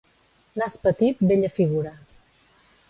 Nas petit, bella figura.